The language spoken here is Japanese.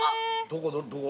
どこ？